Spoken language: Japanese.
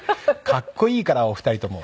格好いいからお二人とも。